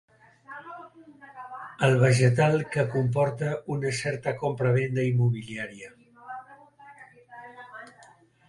El vegetal que comporta una certa compra-venda immobiliària.